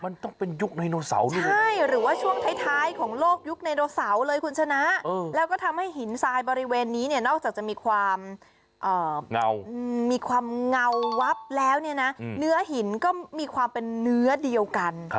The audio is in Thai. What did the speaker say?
นอกจากจะมีความเงาวับแล้วเนื้อหินก็มีความเป็นเนื้อเดียวกัน